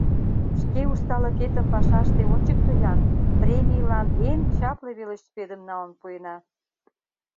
Шке усталыкетым пашаште ончыкто-ян, премийлан эн чапле велосипедым налын пуэна!